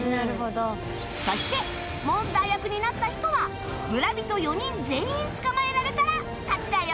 そしてモンスター役になった人は村人４人全員捕まえられたら勝ちだよ